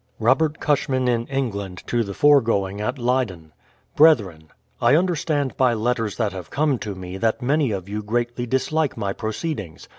Robert Cusliman in England to the foregoing at Leydcn: Brethren, I understand by letters that have come to me, that many of you greatly dislike my proceedings.